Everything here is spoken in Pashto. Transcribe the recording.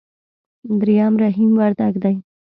درېم رحيم وردګ دی.